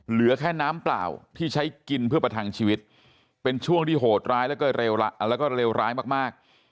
เหลือแค่น้ำเปล่าที่ใช้กินเพื่อประทังชีวิตเป็นช่วงที่โหดร้ายแล้วก็เลวร้ายมาก